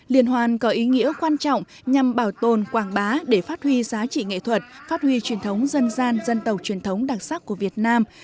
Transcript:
liên hoan có ý nghĩa quan trọng nhằm bảo tồn quảng bá để phát huy giá trị nghệ thuật phát huy truyền thống dân gian dân tộc truyền thống đặc sắc của việt nam